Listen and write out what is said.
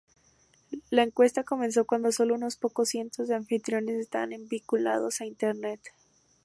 La encuesta comenzó cuando sólo unos pocos cientos de anfitriones estaban vinculados a Internet.